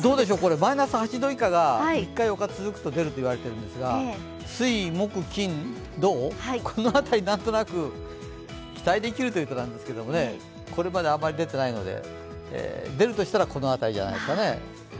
マイナス８度以下が５日８日続くといわれているんですが水木金土、この辺り、何となく期待できると言うと何ですけど、これまであまり出ていないので、出るとしたらこの辺りじゃないですかね。